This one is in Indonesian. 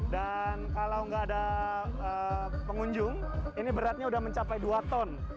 dan kalau gak ada pengunjung ini beratnya udah mencapai dua ton